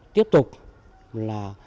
tiếp tục là